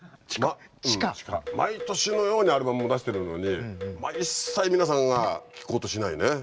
毎年のようにアルバムを出してるのにまあ一切皆さんが聴こうとしないね。